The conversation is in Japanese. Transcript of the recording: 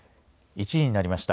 １時になりました。